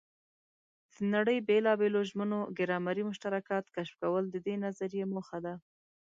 د نړۍ بېلابېلو ژبو ګرامري مشترکات کشف کول د دې نظریې موخه ده.